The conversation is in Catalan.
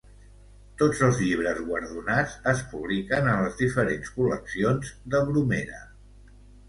Tots els llibres guardonats es publiquen en les diferents col·leccions de Bromera.